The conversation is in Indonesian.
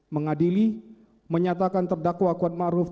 mengadili menyatakan terdakwa kuat maruh